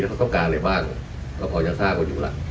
แล้วเขาต้องการอะไรบ้างก็พอยังทราบว่าอยู่ล่ะ